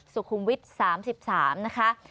สุขุมวิท๓๓นะคะ